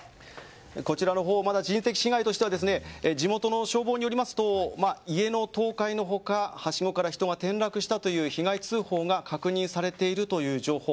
こちらのほう人的被害としては地元の消防によりますと家の倒壊の他はしごから人が転落したという被害通報が確認されているという情報。